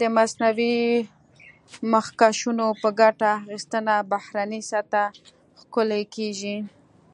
د مصنوعي مخکشونو په ګټه اخیستنه بهرنۍ سطحه ښکلې کېږي.